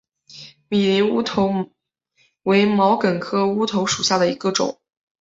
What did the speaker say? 米林乌头为毛茛科乌头属下的一个种。